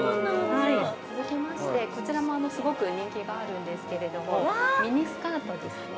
続きまして、こちらもすごく人気があるんですけれどもミニスカートですね。